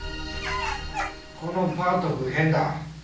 このパート譜変だ。